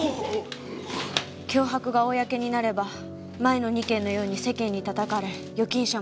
脅迫が公になれば前の２件のように世間に叩かれ預金者も減る。